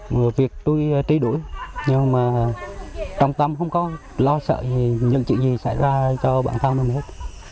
người việt tôi trí đuổi nhưng trong tâm không có lo sợ những chuyện gì xảy ra cho bản thân mình hết